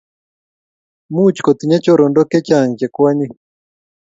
Much kotinye chorondok chechange che kwanyik